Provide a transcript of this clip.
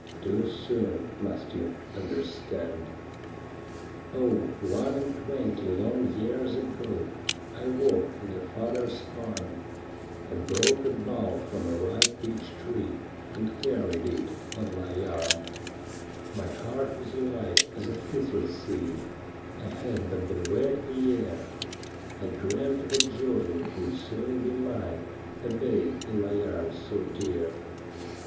Too soon must you understand. 1 1 6 THE WOMAN WHO WENT TO HELL ' Oh, one and twenty long years ago I walked in your father's farm, I broke a bough from a ripe peach tree, And carried it on my arm. ' My heart was light as a thistle seed —— I had but been wed a year — I dreamt of a joy that would soon be mine — A babe in my arms so dear.